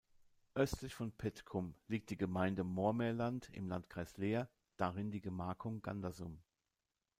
Östlich von Petkum liegt die Gemeinde Moormerland im Landkreis Leer, darin die Gemarkung Gandersum.